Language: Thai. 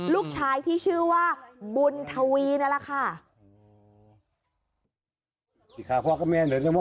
ลูกชายที่ชื่อว่าบุญทวีนั่นแหละค่ะ